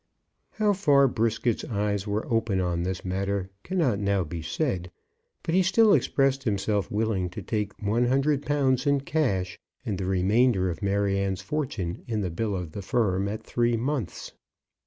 How far Brisket's eyes were open on this matter cannot now be said; but he still expressed himself willing to take one hundred pounds in cash, and the remainder of Maryanne's fortune in the bill of the firm at three months.